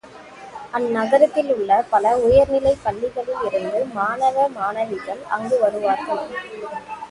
அந்நகரத்திலுள்ள பல உயர்நிலைப் பள்ளிகளில் இருந்து மாணவ மாணவிகள் அங்கு வருவார்கள்.